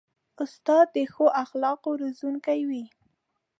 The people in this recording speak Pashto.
استاد د ښو اخلاقو روزونکی وي.